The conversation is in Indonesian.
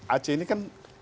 aceh ini kan